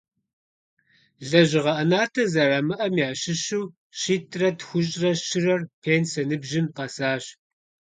Лэжьыгъэ ӏэнатӏэ зэрамыӏэм ящыщу щитӏрэ тхущӏрэ щырэр пенсэ ныбжьым къэсащ.